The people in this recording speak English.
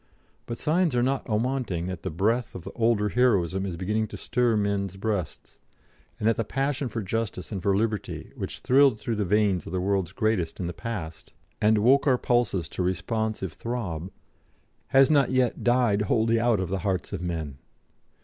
But signs are not awanting that the breath of the older heroism is beginning to stir men's breasts, and that the passion for justice and for liberty, which thrilled through the veins of the world's greatest in the past, and woke our pulses to responsive throb, has not yet died wholly out of the hearts of men.